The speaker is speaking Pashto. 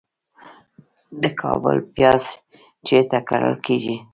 د کابل پیاز چیرته کرل کیږي؟